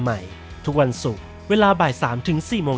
ไม่ต้องจับสิครับอันนั้น